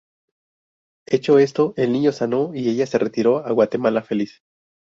Hecho esto, el niño sanó y ella se retiró a Guatemala feliz.